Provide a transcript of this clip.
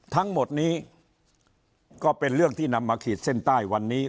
ทั้งหมดนี้ก็เป็นเรื่องที่นำมาขีดเส้นใต้วันนี้